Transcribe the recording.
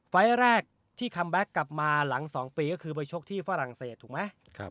ไฟล์แรกที่คัมแบ็คกลับมาหลัง๒ปีก็คือไปชกที่ฝรั่งเศสถูกไหม